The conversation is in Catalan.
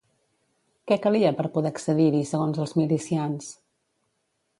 Què calia per poder accedir-hi segons els milicians?